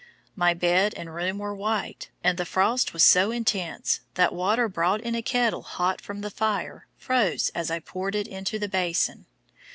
My bed and room were white, and the frost was so intense that water brought in a kettle hot from the fire froze as I poured it into the basin.